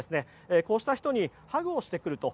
こうした人にハグをしてくると。